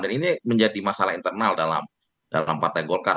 dan ini menjadi masalah internal dalam partai golkar